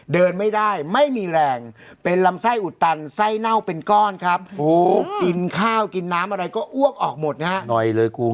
เดินไม่ได้ไม่มีแรงเป็นลำไส้อุดตันไส้เน่าเป็นก้อนครับกินข้าวกินน้ำอะไรก็อ้วกออกหมดนะฮะหน่อยเลยคุณ